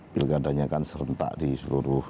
pilkadanya kan serentak di seluruh